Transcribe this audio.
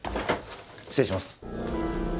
失礼します。